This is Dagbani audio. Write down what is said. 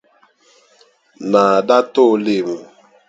Naa daa ti o leemu.